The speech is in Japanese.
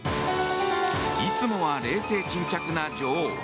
いつもは冷静沈着な女王。